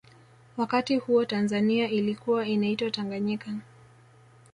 wakati huo tanzania ilikua inaitwa tanganyika